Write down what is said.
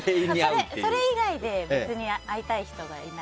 それ以外で別に会いたい人がいない。